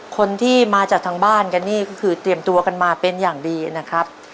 คนที่มาจากทางบ้านกันนี่ก็คือเตรียมตัวกันมาเป็นอย่างดีนะครับ